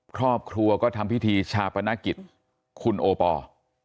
ครอบครัวก็ทำพิธีชาปนกิจคุณโอปอล์